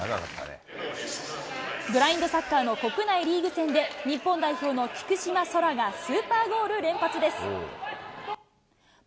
ブラインドサッカーの国内リーグ戦で、日本代表の菊島宙がスーパーゴール連発です。